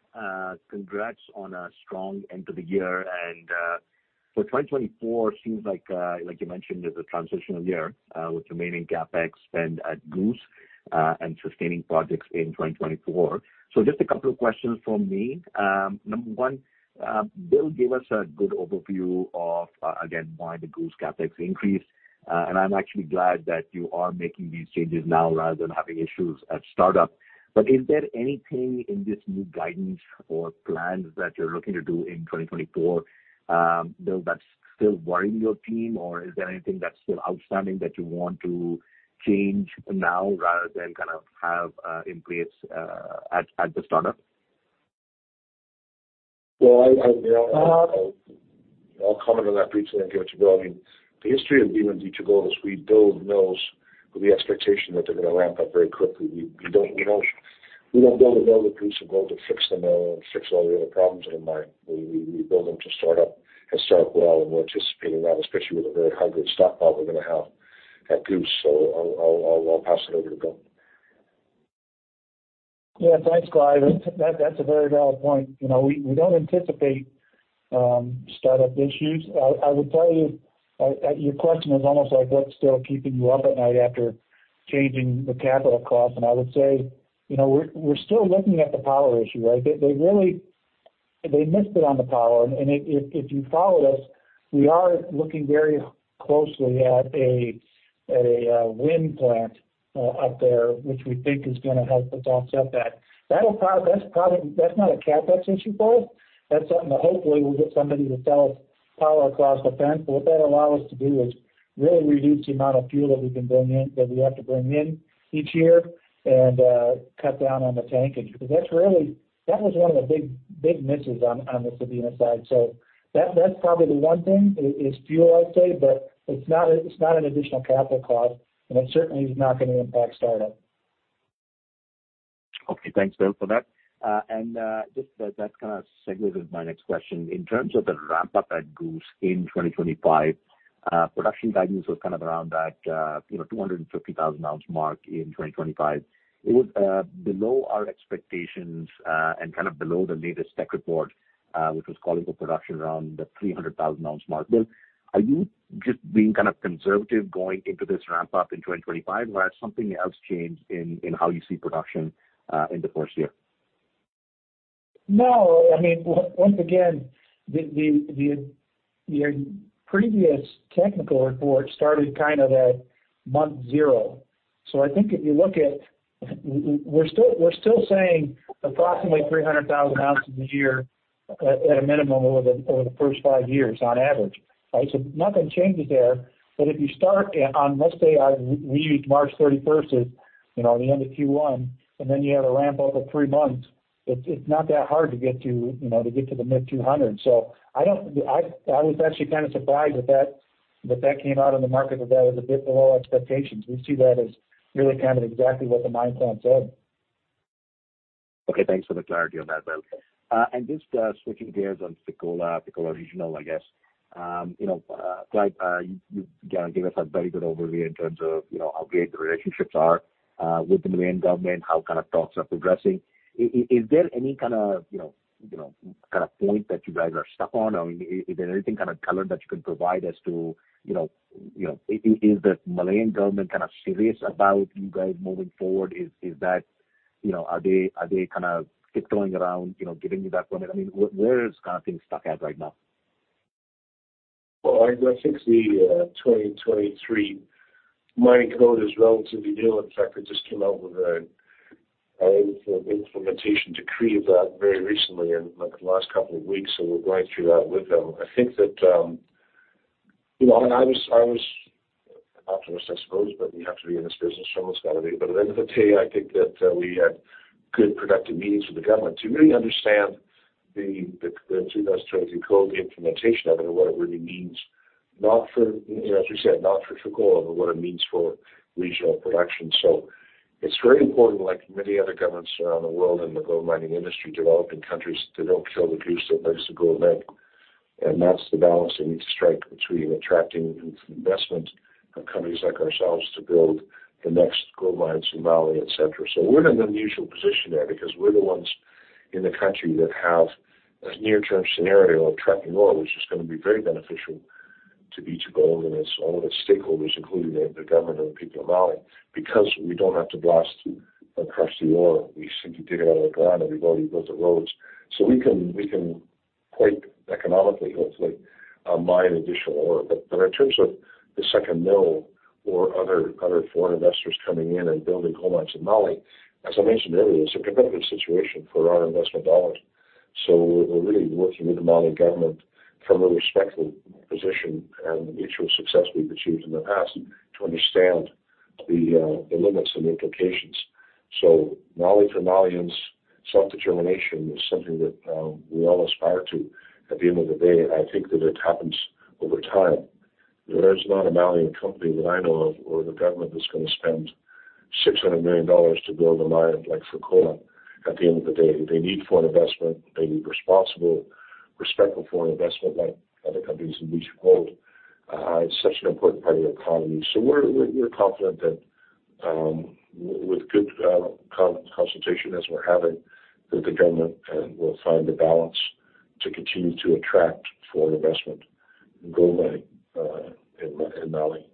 Congrats on a strong end to the year, and so 2024 it seems like, like you mentioned, is a transitional year, with remaining CapEx spend at Goose, and sustaining projects in 2024. So just a couple of questions from me. Number one, Bill gave us a good overview of, again, why the Goose CapEx increased. And I'm actually glad that you are making these changes now, rather than having issues at startup. But is there anything in this new guidance or plans that you're looking to do in 2024, Bill, that's still worrying your team or is there anything that's still outstanding that you want to change now, rather than kind of have in place at the startup? Well, you know, I'll comment on that briefly and then give it to Bill. I mean, the history of B2Gold is we build mills with the expectation that they're going to ramp up very quickly. We don't build a mill with piece of gold to fix the mill and fix all the other problems in the mine. We build them to start up and start well, and we're anticipating that, especially with a very high-grade stock pile we're going to have at Goose. So I'll pass it over to Bill. Yeah, thanks, Clive. That's a very valid point. You know, we don't anticipate startup issues. I would tell you your question is almost like, what's still keeping you up at night after changing the capital cost? And I would say, you know, we're still looking at the power issue, right? They really, they missed it on the power, and if you followed us, we are looking very closely at a wind plant up there, which we think is going to help us offset that. That's probably, that's not a CapEx issue, Bill. That's something that hopefully we'll get somebody to sell us power across the fence. But what that allow us to do is really reduce the amount of fuel that we can bring in, that we have to bring in each year and cut down on the tankage. Because that's really, that was one of the big, big misses on the Fekola side. So that's probably the one thing, is fuel, I'd say, but it's not an additional capital cost, and it certainly is not going to impact startup. Okay, thanks, Bill, for that. And just that kind of segues with my next question. In terms of the ramp up at Goose in 2025, production guidance was kind of around that, you know, 250,000 ounce mark in 2025. It was below our expectations and kind of below the latest tech report, which was calling for production around the 300,000 ounce mark. Bill, are you just being kind of conservative going into this ramp up in 2025 or has something else changed in how you see production in the first year? No. I mean, once again, your previous technical report started kind of at month zero. So I think if you look at, we're still saying approximately 300,000 ounces a year at a minimum over the first five years on average, right? So nothing changes there. But if you start on, let's say, we use March 31st as you know, the end of Q1, and then you have a ramp up of three months, it's not that hard to get to, you know, to get to the mid-200. So I was actually kind of surprised that that came out in the market, that was a bit below expectations. We see that as really kind of exactly what the mine plan said. Okay, thanks for the clarity on that, Bill. And just switching gears on Fekola, Fekola Regional, I guess, you know, Clive, you again gave us a very good overview in terms of, you know, how great the relationships are with the Malian government, how kind of talks are progressing. Is there any kind of, you know, you know, kind of point that you guys are stuck on or is there anything kind of color that you can provide as to, you know, is the Malian government kind of serious about you guys moving forward? Is, is that, you know, are they, are they kind of tiptoeing around, you know, giving you that one? I mean, where is kind of things stuck at right now? Well, I think the 2023 Mining Code is relatively new. In fact, it just came out with an implementation decree that very recently, like, in the last couple of weeks, so we're going through that with them. I think that, you know, and I was an optimist, I suppose, but you have to be in this business, almost got to be. But at the end of the day, I think that we had good, productive meetings with the government to really understand the 2020 code, the implementation of it, and what it really means. Not for, you know, as you said, not for Fekola, but what it means for regional production. So it's very important, like many other governments around the world, in the gold mining industry, developing countries, they don't kill the goose that lays the gold egg. And that's the balance they need to strike between attracting investment and companies like ourselves to build the next gold mines in Mali, et cetera. So we're in an unusual position there because we're the ones in the country that have a near-term scenario of trucking ore, which is going to be very beneficial to B2Gold and all of its stakeholders, including the government and the people of Mali, because we don't have to blast across the ore. We simply dig it out of the ground, and we've already built the roads. So we can quite economically, hopefully, mine additional ore. But in terms of the second mill or other foreign investors coming in and building gold mines in Mali, as I mentioned earlier, it's a competitive situation for our investment dollars. So we're really working with the Mali government from a respectful position and mutual success we've achieved in the past to understand the limits and the implications. So Mali, for Malians, self-determination is something that we all aspire to. At the end of the day, I think that it happens over time. There's not a Malian company that I know of, or the government that's going to spend $600 million to build a mine like Fekola. At the end of the day, they need foreign investment. They need responsible, respectful foreign investment, like other companies in which you quote, it's such an important part of the economy. So we're confident that, with good consultation, as we're having, with the government, we'll find the balance to continue to attract foreign investment gold mining in Mali.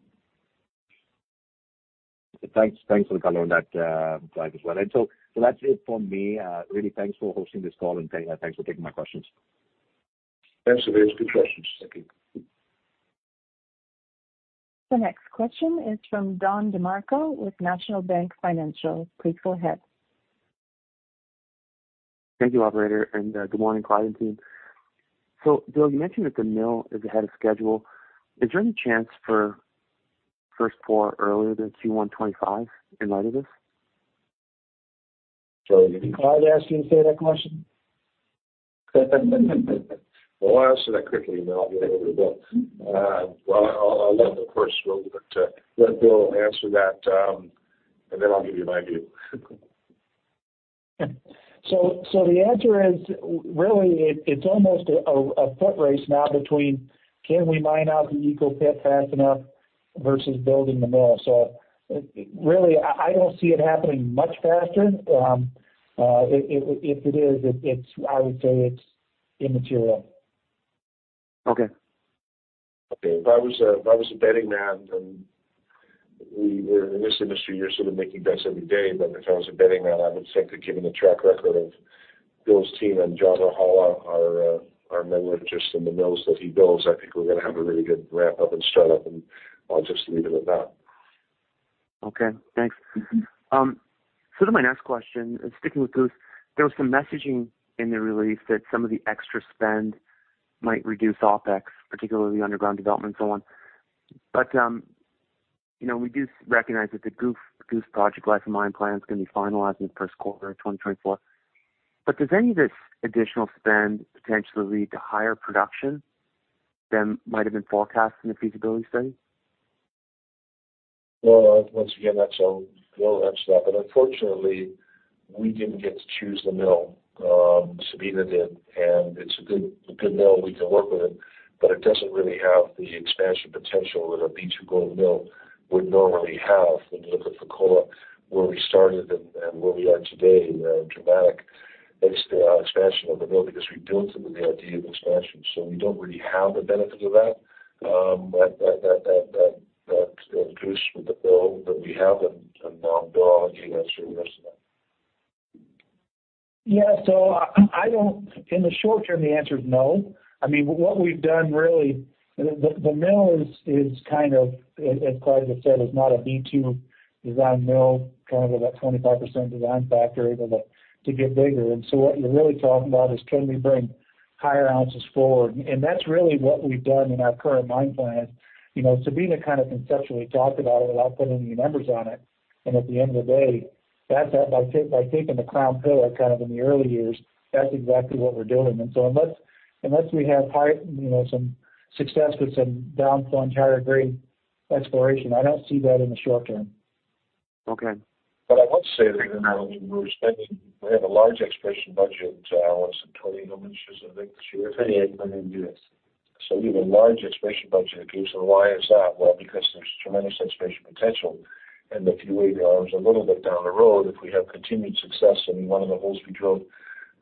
Thanks, thanks for the color on that, Clive, as well. And so, so that's it for me. Really thanks for hosting this call and thanks for taking my questions. Thanks, Ovais. Good questions. Thank you. The next question is from Don DeMarco with National Bank Financial. Please go ahead. Thank you, operator, and good morning, Clive and team. So Bill, you mentioned that the mill is ahead of schedule. Is there any chance for first pour earlier than Q1 2025 in light of this? Did Clive ask you to say that question? Well, I'll answer that quickly, and then I'll get over to Bill. Well, I'll let the first go, but let Bill answer that, and then I'll give you my view. So the answer is, really, it's almost a foot race now between can we mine out the Echo pit fast enough versus building the mill. So really, I don't see it happening much faster. If it is, I would say it's immaterial. Okay. Okay. If I was a betting man, then we're in this industry, you're sort of making bets every day. But if I was a betting man, I would say that given the track record of Bill's team and John Rajala, our metallurgist in the mills that he builds, I think we're going to have a really good ramp up and start up, and I'll just leave it at that. Okay, thanks. So to my next question, and sticking with Goose, there was some messaging in the release that some of the extra spend might reduce OpEx, particularly underground development and so on. But, you know, we do recognize that the Goose, Goose Project life and mine plan is going to be finalized in the first quarter of 2024. But does any of this additional spend potentially lead to higher production than might have been forecast in the feasibility study? Well, once again, that's a Bill answer that, but unfortunately, we didn't get to choose the mill. Sabina did, and it's a good mill. We can work with it, but it doesn't really have the expansion potential that a B2Gold mill would normally have. When you look at Fekola, where we started and where we are today, dramatic expansion of the mill because we built it with the idea of expansion, so we don't really have the benefit of that. But that Goose with the mill that we have, and Bill, you answer the rest of that. Yeah. So I don't, in the short term, the answer is no. I mean, what we've done really, the mill is kind of, as Clive has said, is not a B2 design mill, kind of about 25% design factor able to get bigger. And so what you're really talking about is can we bring higher ounces forward? And that's really what we've done in our current mine plan. You know, Sabina kind of conceptually talked about it without putting any numbers on it, and at the end of the day... That's by taking the crown pillar kind of in the early years, that's exactly what we're doing. And so unless we have, you know, some success with some down thrown higher grade exploration, I don't see that in the short term. Okay. I would say that, you know, we're spending. We have a large exploration budget, Alex and Tony. How much is it? I think this year. $38 million, yes. So we have a large exploration budget. Okay, so why is that? Well, because there's tremendous exploration potential, and if you wait a little bit down the road, if we have continued success in one of the holes we drilled,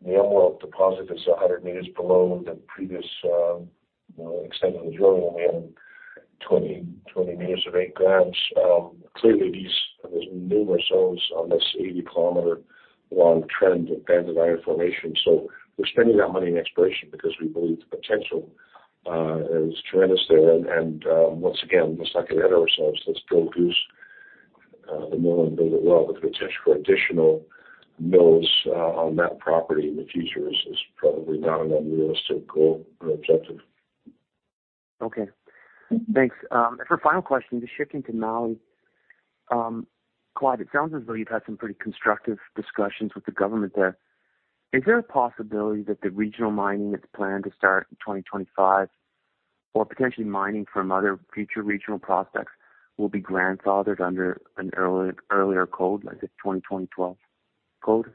the Antelope deposit is 100m below the previous, you know, extent of the drilling, and we had 20m, 20m of 8 gms. Clearly, these, there's numerous zones on this 80-km-long trend of band of iron formation. So we're spending that money in exploration because we believe the potential is tremendous there. And, and, once again, let's not get ahead of ourselves. Let's go produce the mill and build it well. But the potential for additional mills on that property in the future is probably not an unrealistic goal or objective. Okay, thanks. For final question, just shifting to Mali. Clive, it sounds as though you've had some pretty constructive discussions with the government there. Is there a possibility that the regional mining that's planned to start in 2025, or potentially mining from other future regional prospects, will be grandfathered under an earlier code, like the 2012 code?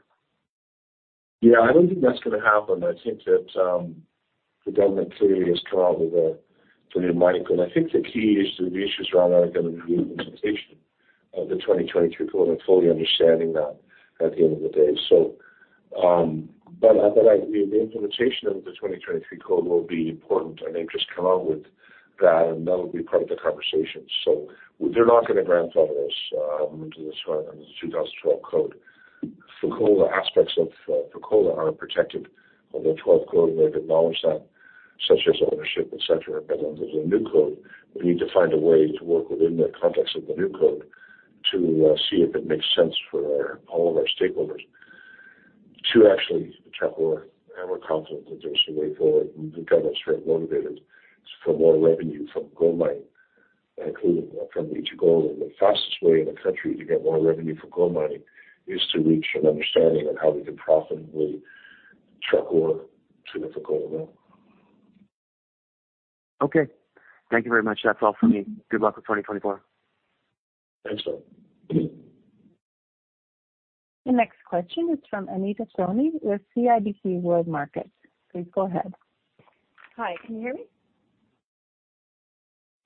Yeah, I don't think that's going to happen. I think that the government clearly has come out with a new Mining Code, and I think the key is the issues around are going to be the implementation of the 2023 code, and fully understanding that at the end of the day. So, but I, the implementation of the 2023 code will be important, and they've just come out with that, and that'll be part of the conversation. So they're not going to grandfather us into this, the 2012 code. Fekola aspects of Fekola are protected under the 12 code, and they've acknowledged that, such as ownership, et cetera. But under the new code, we need to find a way to work within the context of the new code to see if it makes sense for all of our stakeholders to actually truck ore. We're confident that there's a way forward, and the government's very motivated for more revenue from gold mining, including from Fekola. The fastest way in the country to get more revenue from gold mining is to reach an understanding on how we can profitably truck ore to the Fekola mill. Okay, thank you very much. That's all for me. Good luck with 2024. Thanks, Bill. The next question is from Anita Soni with CIBC World Markets. Please go ahead. Hi, can you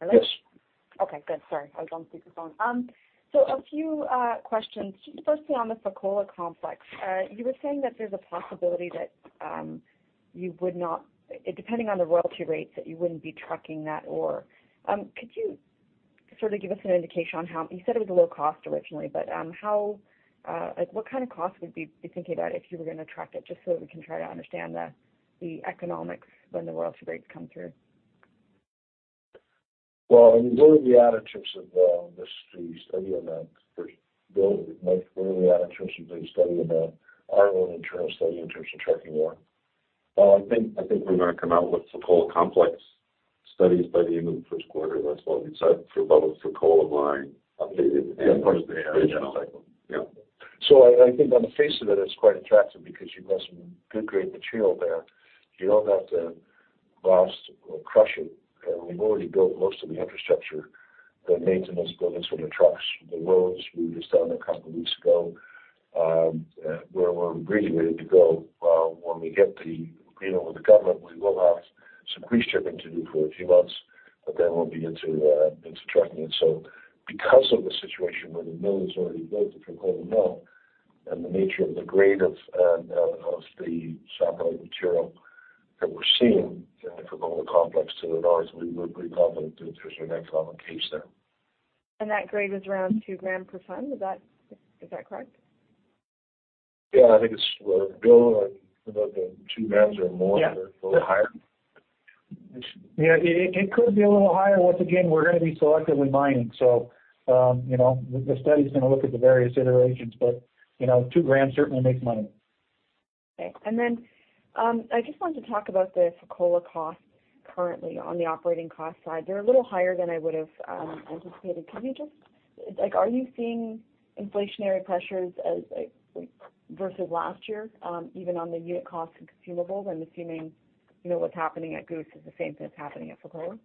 hear me? Hello? Yes. Okay, good. Sorry, I was on speakerphone. So a few questions. Firstly, on the Fekola complex, you were saying that there's a possibility that you would not and depending on the royalty rates, that you wouldn't be trucking that ore. Could you sort of give us an indication on how, you said it was a low cost originally, but, how, like, what kind of cost would you be thinking about if you were going to truck it, just so that we can try to understand the, the economics when the royalty rates come through? Well, those are the attitudes of the study event. First, Bill, what are the attitudes that you study event our own internal study in terms of trucking ore? Well, I think we're going to come out with Fekola Complex study in the first quarter. That's what we've decided for about Fekola Mine. Updated. General label, yeah. So I think on the face of it, it's quite attractive because you've got some good grade material there. You don't have to roast or crush it, and we've already built most of the infrastructure, the maintenance buildings for the trucks, the roads, we just done a couple weeks ago, where we're really ready to go. When we get the agreement with the government, we will have some pre-stripping to do for a few months, but then we'll be into into trucking it. So because of the situation where the mill is already built, the Fekola mill, and the nature of the grade of of the sample material that we're seeing in the Fekola complex, then obviously, we're pretty confident that there's an economic case there. That grade is around 2 gm per ton. Is that, is that correct? Yeah, I think it's, Bill, about two grams or more. Yeah, a bit higher. Yeah, it could be a little higher. Once again, we're gonna be selectively mining, so, you know, the study's gonna look at the various iterations, but, you know, two grams certainly makes money. Okay. And then, I just wanted to talk about the Fekola costs currently on the operating cost side. They're a little higher than I would've anticipated. Can you just, like, are you seeing inflationary pressures as, like, versus last year, even on the unit costs of consumables? I'm assuming, you know, what's happening at Goose is the same thing that's happening at Fekola.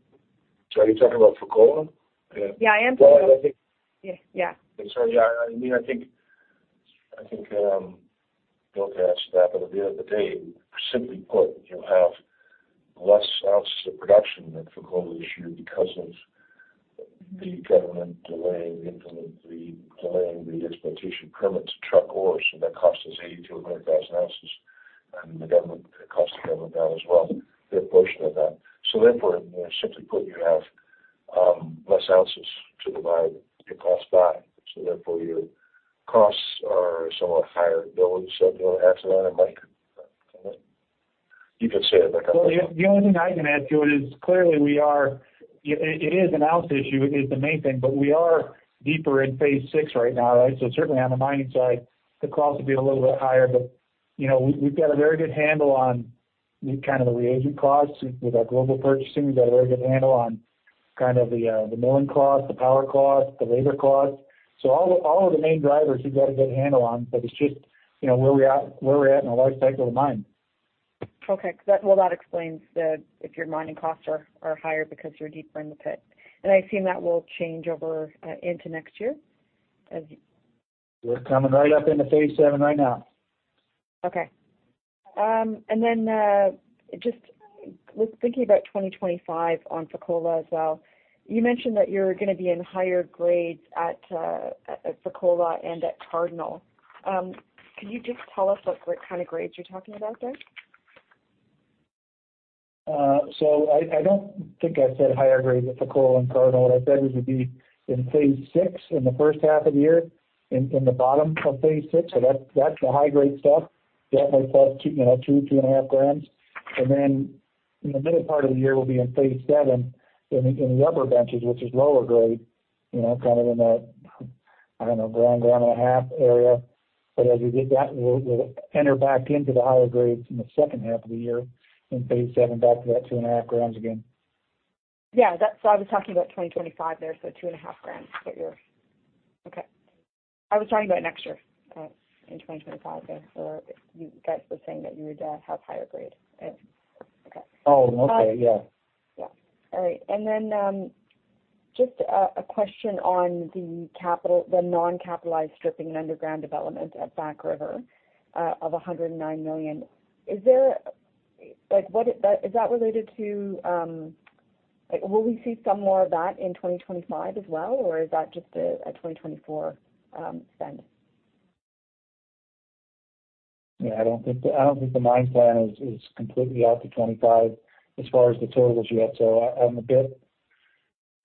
Are you talking about Fekola? Yeah. Yeah, I am talking about- Well, I think. Yeah, yeah. So, yeah, I mean, I think, I think, Bill can answer that, but at the end of the day, simply put, you have less ounces of production than Fekola this year because of the government delaying the exploitation permits to truck ore. So that cost us 80,000 to 100,000 ounces, and the government, it costs the government that as well, their portion of that. So therefore, simply put, you have less ounces to divide your cost by, so therefore, your costs are somewhat higher. Bill, you said you want to add to that, or Mike, you can say it. Well, the only thing I can add to it is clearly we are, it is an ounce issue is the main thing, but we are deeper in phase six right now, right? So certainly on the mining side, the costs will be a little bit higher. But, you know, we've got a very good handle on the kind of the reagent costs with our global purchasing. We've got a very good handle on kind of the milling cost, the power cost, the labor cost. So all of the main drivers, we've got a good handle on, but it's just, you know, where we are-where we're at in the life cycle of the mine. Okay. Well, that explains the if your mining costs are higher because you're deeper in the pit. I assume that will change over into next year. We're coming right up into Phase VII right now. Okay. And then, just was thinking about 2025 on Fekola as well. You mentioned that you're gonna be in higher grades at, at Fekola and at Cardinal. Can you just tell us what kind of grades you're talking about there? So I don't think I said higher grades at Fekola and Cardinal. What I said was, we'd be in Phase 6 in the first half of the year, in the bottom of Phase VI. So that's the high-grade stuff. That makes up, you know, 2.5 grams. And then in the middle part of the year, we'll be in phase VII, in the upper benches, which is lower grade, you know, kind of in a, I don't know, 1.5 gram area. But as we get that, we'll enter back into the higher grades in the second half of the year, in phase VII, back to that 2.5 grams again. Yeah, that's so I was talking about 2025 there, so 2.5 grams, but you're okay. I was talking about next year in 2025 there. So you guys were saying that you would have higher grade. Okay. Oh, okay. Yeah. Yeah. All right. And then, just, a question on the capital, the non-capitalized stripping and underground development at Back River, of $109 million. Is there, like, what, is that related to, like, will we see some more of that in 2025 as well, or is that just a 2024 spend? Yeah, I don't think the mine plan is completely out to 2025 as far as the totals yet. So, I'm a bit,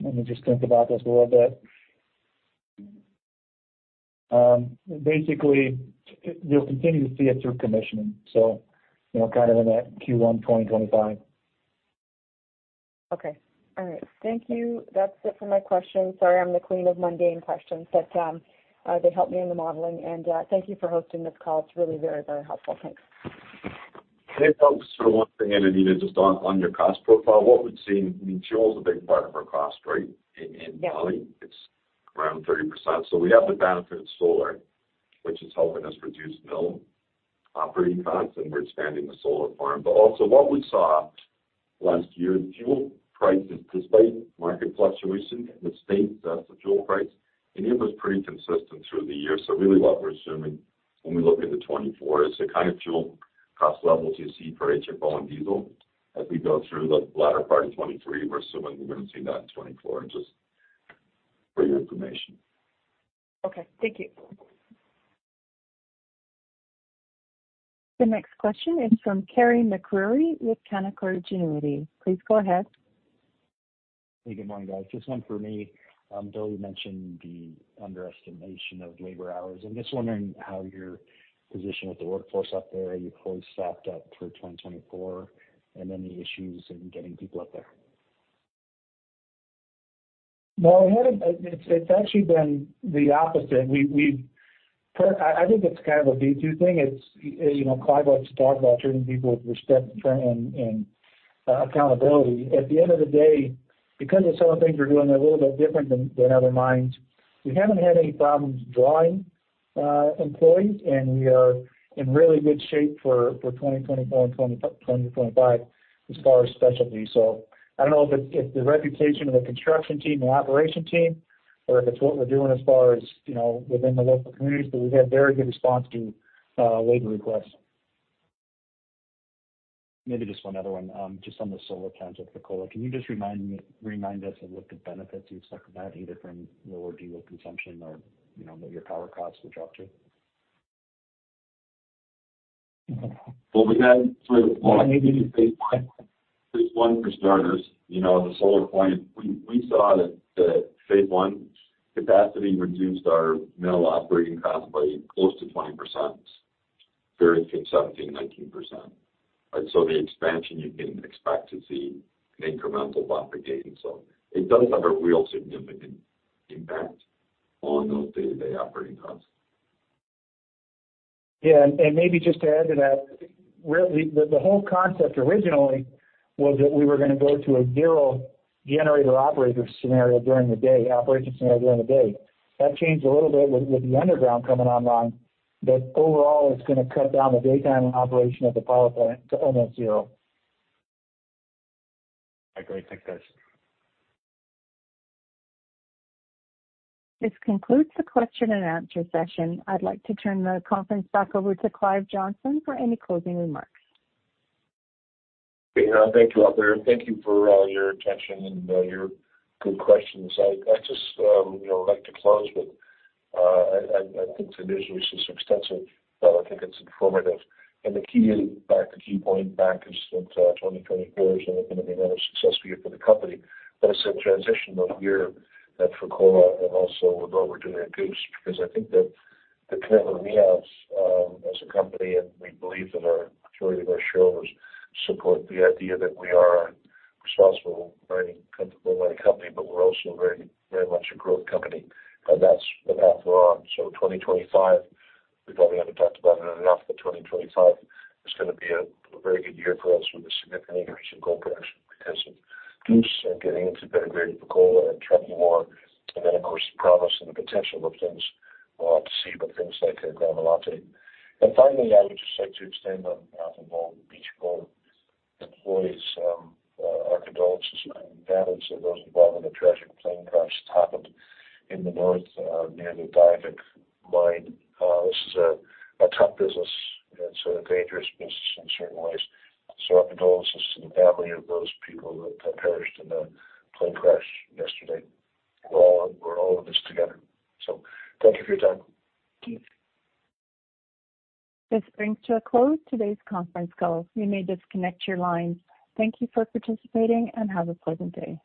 let me just think about this a little bit. Basically, you'll continue to see it through commissioning, so, you know, kind of in that Q1 2025. Okay. All right. Thank you. That's it for my questions. Sorry, I'm the queen of mundane questions, but they help me in the modeling. Thank you for hosting this call. It's really very, very helpful. Thanks. Hey, folks, so one thing, Anita, just on your cost profile, what we've seen, I mean, fuel is a big part of our cost, right? Yeah. In volume, it's around 30%. So we have the benefit of solar, which is helping us reduce mill operating costs, and we're expanding the solar farm. But also what we saw last year, the fuel prices, despite market fluctuation, which states that the fuel price, and it was pretty consistent through the year. So really what we're assuming when we look into 2024 is the kind of fuel cost level to see for HFO and diesel. As we go through the latter part of 2023, we're assuming we're going to see that in 2024, just for your information. Okay. Thank you. The next question is from Carey MacRury with Canaccord Genuity. Please go ahead. Hey, good morning, guys. Just one for me. Bill, you mentioned the underestimation of labor hours. I'm just wondering how your position with the workforce out there, are you fully stocked up for 2024, and any issues in getting people out there? No, we haven't. It's actually been the opposite. We've, I think it's kind of a B2 thing, you know, Clive likes to talk about treating people with respect and accountability. At the end of the day, because of some of the things we're doing a little bit different than other mines, we haven't had any problems drawing employees, and we are in really good shape for 2024 and 2025 as far as specialties. So I don't know if it's the reputation of the construction team, the operation team, or if it's what we're doing as far as, you know, within the local communities, but we've had very good response to labor requests. Maybe just one other one, just on the solar plans at Fekola. Can you just remind me or remind us of what the benefits you've talked about, either from lower diesel consumption or, you know, what your power costs would drop to? Well, we had phase I, Phase I for starters. You know, the solar point, we saw that the Phase 1 capacity reduced our mill operating costs by close to 20%, very conceptually, 19%. And so the expansion, you can expect to see an incremental bump again. So it does have a real significant impact on those day-to-day operating costs. Yeah, and maybe just to add to that, the whole concept originally was that we were going to go to a zero generator operation scenario during the day. That changed a little bit with the underground coming online, but overall, it's gonna cut down the daytime operation of the power plant to almost zero. Agreed. Thanks, guys. This concludes the question and answer session. I'd like to turn the conference back over to Clive Johnson for any closing remarks. Yeah, thank you, out there. Thank you for your attention and your good questions. I just, you know, like to close with I think today's release is extensive, but I think it's informative. And the key is, the key point is that 2024 is going to be another success year for the company. But it's a transitional year at Fekola and also with what we're doing at Goose, because I think that the commitment we have as a company, and we believe that our majority of our shareholders support the idea that we are a responsible mining, comfortable mining company, but we're also very, very much a growth company, and that's the path we're on. So 2025, we probably haven't talked about it enough, but 2025 is gonna be a very good year for us with a significant increase in gold production because of Goose and getting into better grade Fekola and trucking more, and then, of course, the promise and the potential of things we'll have to see with things like Gramalote. And finally, I would just like to extend on behalf of the whole B2Gold employees our condolences and regards to those involved in the tragic plane crash that happened in the north near the Diavik mine. This is a tough business, and it's a dangerous business in certain ways. So our condolences to the family of those people that perished in the plane crash yesterday. We're all, we're all in this together. So thank you for your time. This brings to a close today's conference call. You may disconnect your lines. Thank you for participating and have a pleasant day.